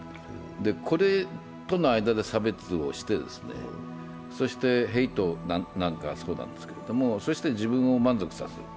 これとの間で差別をして、ヘイトなんかがそうなんですけど、そして自分を満足させる。